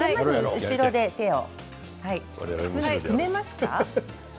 後ろで手を組めますか？